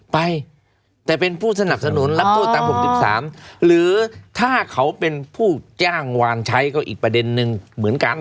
ไปแต่เป็นผู้สนับสนุนรับโทษตาม๖๓หรือถ้าเขาเป็นผู้จ้างวานใช้ก็อีกประเด็นนึงเหมือนกัน